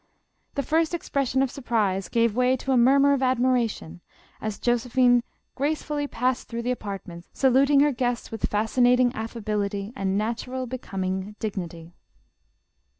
The first expression of surprise gave way to a murmur of admiration, as Josephine gracefully passed through the apartments, saluting her guests with fascinating affability, and natural, becoming dignity.